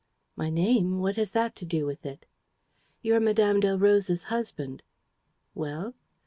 ..." "My name? What has that to do with it?" "You are Madame Delroze's husband." "Well?"